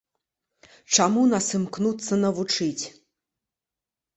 Чаму нас імкнуцца навучыць?